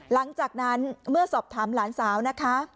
หลังจากนั้นเมื่อสอบถามหลานสาวนะคะ